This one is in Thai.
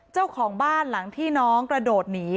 เจ้าของบ้านหลังที่น้องกระโดดหนี